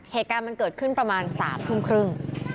เหตุการณ์มันเกิดขึ้นประมาณสามชั่วครั้ง